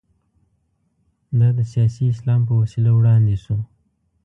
دا د سیاسي اسلام په وسیله وړاندې شو.